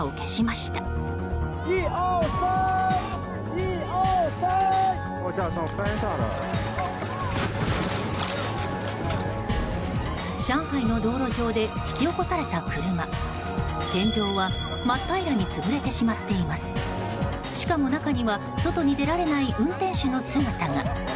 しかも中には外に出られない運転手の姿が。